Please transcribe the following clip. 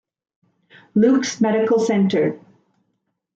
Luke's Medical Center.